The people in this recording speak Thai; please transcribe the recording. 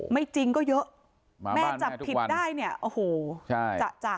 ไม่จริงก็เยอะมากแม่จับผิดได้เนี่ยโอ้โหใช่จะ